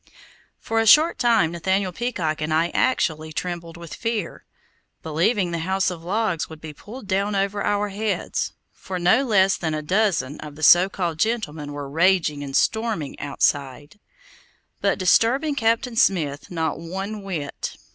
For a short time Nathaniel Peacock and I actually trembled with fear, believing the house of logs would be pulled down over our heads, for no less than a dozen of the so called gentlemen were raging and storming outside; but disturbing Captain Smith not one whit.